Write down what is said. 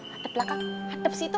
hadap belakang hadap situ